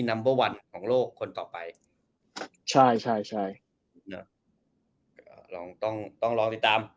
ัมเบอร์วันของโลกคนต่อไปใช่ใช่ใช่นะก็ลองต้องต้องลองติดตาม